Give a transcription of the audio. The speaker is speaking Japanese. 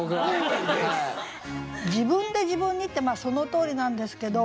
「自分で自分に」ってそのとおりなんですけど。